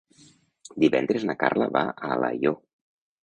Divendres na Carla va a Alaior.